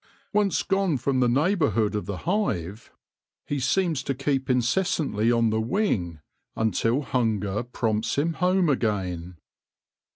Once gone from the neighbourhood of the hive, he seems to keep incessantly on the wing until hunger THE DRONE AND HIS STORY 169 prompts him home again.